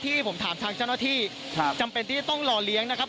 ที่ผมถามทางเจ้าหน้าที่ครับจำเป็นที่จะต้องรอเลี้ยงนะครับ